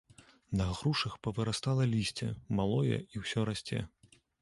На грушах павырастала лісце, малое і ўсё расце.